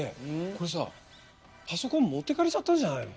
これさパソコン持っていかれちゃったんじゃないの？